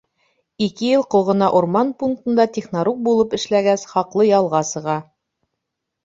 Ике йыл Ҡолғона урман пунктында технорук булып эшләгәс, хаҡлы ялға сыға.